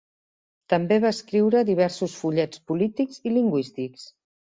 També va escriure diversos fullets polítics i lingüístics.